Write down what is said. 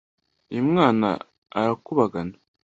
uyu mwana arakubagana.